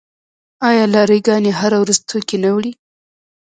آیا لاری ګانې هره ورځ توکي نه وړي؟